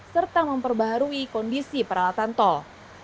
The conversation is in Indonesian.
serta memperbaharui kondisi peralatan tol